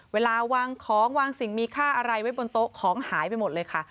เวลาวางของวางสิ่งมีค่าอะไรไว้บนโต๊ะของหายไปหมดเลยค่ะ